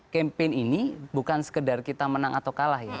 campaign ini bukan sekedar kita menang atau kalah ya